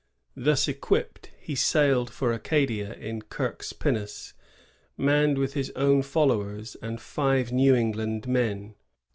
Thus equipped, he sailed for Acadia in Eirke's pinnace, manned with his own followers and five New England men.